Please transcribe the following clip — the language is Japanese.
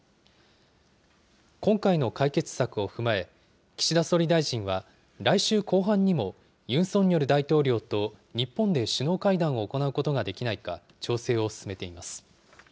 今回の解決策を踏まえ、岸田総理大臣は来週後半にも、ユン・ソンニョル大統領と日本で首脳会談を行うことができないか調整を進めています。